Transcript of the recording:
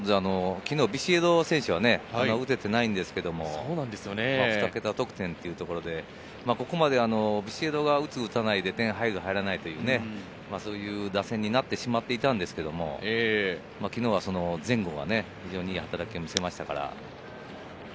昨日、ビシエド選手は打ててないんですけど、ふた桁得点というところで、ビシエドが打つ・打たないで点が入る・入らない、そういう打線になってしまっていたんですけど、昨日は前後が非常にいい働きを見せました。